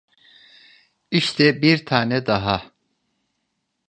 İşte bir tane daha.